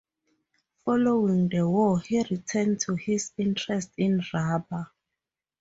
Following the war, he returned to his interests in rubber.